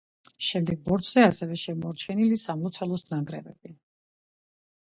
შემდეგ ბორცვზე, ასევევ, შემორჩენილია სამლოცველოს ნანგრევები.